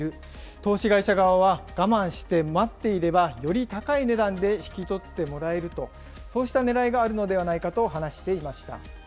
投資会社側は我慢して待っていれば、より高い値段で引き取ってもらえると、そうしたねらいがあるのではないかと話していました。